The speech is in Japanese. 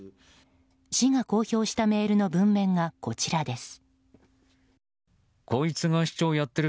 市が公表したメールの文面がこちらです。